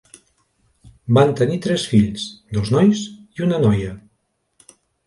Van tenir tres fills, dos nois i una noia.